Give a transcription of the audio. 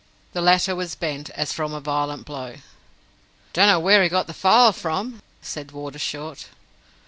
The latter was bent, as from a violent blow. "Don't know where he got the file from," said Warder Short.